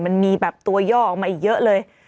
มันมีแบบตัวย่อออกมาอีกเยอะเลย